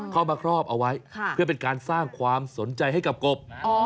เข้ามาครอบเอาไว้เพื่อเป็นการสร้างความสนใจให้กับกบ